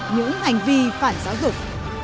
những hành vi phản giáo dục